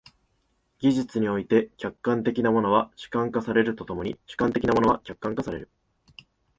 技術において、客観的なものは主観化されると共に主観的なものは客観化される。